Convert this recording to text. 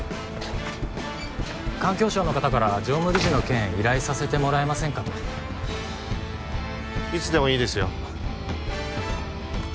環境省の方から常務理事の件依頼させてもらえませんか？といつでもいいですよ